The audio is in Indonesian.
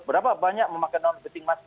berapa banyak memakai non repleting mask